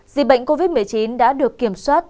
dịch bệnh covid một mươi chín đã được kiểm soát